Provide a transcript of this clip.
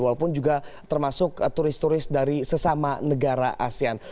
walaupun juga termasuk turis turis dari sesama negara asean